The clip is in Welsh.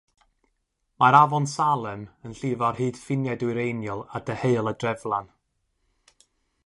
Mae'r Afon Salem yn llifo ar hyd ffiniau dwyreiniol a deheuol y dreflan.